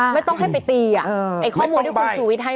ไม่ต้องให้ไปตี